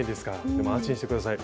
でも安心して下さい。